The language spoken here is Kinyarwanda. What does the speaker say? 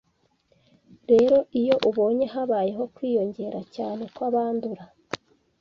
Rero iyo ubonye habayeho kwiyongera cyane kw'abandura